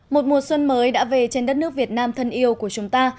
một mùa xuân mới đã về trên đất nước việt nam thân yêu của chúng ta